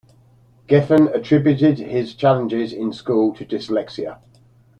Geffen attributed his challenges in school to dyslexia.